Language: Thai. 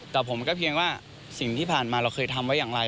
แต่ผมก็เพียงว่าสิ่งที่ผ่านมาเราเคยทำไว้อย่างไร